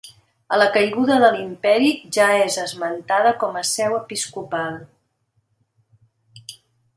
A la caiguda de l'Imperi ja és esmentada com a seu episcopal.